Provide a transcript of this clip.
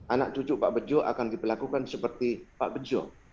anak cucu pak bejo akan diperlakukan seperti pak bejo